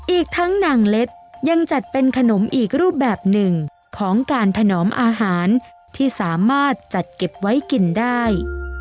อีกทั้งนางเล็ดยังจัดเป็นขนมอีกรูปแบบหนึ่งของการถนอมอาหารที่สามารถจัดเก็บไว้กินได้